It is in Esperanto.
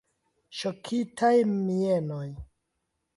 Ŝokitaj mienoj.